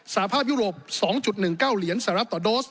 สภาพยุโรป๒๑๙เหรียญสหรัฐต่อโดส